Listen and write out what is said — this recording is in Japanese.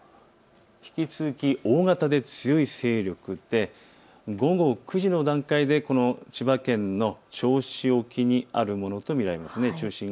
引き続き大型で強い勢力で午後９時の段階で千葉県の銚子沖にあるものと見られます。